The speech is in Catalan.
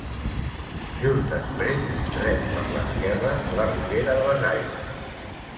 Just després, rep per l'esquerra la Ribera de les Aigües.